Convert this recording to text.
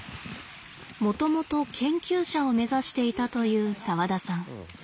もともと研究者を目指していたという澤田さん。